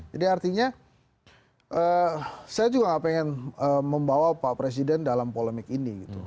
jadi artinya saya juga nggak pengen membawa pak presiden dalam polemik ini gitu